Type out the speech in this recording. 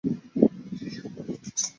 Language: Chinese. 三屋裕子是一名日本前排球运动员。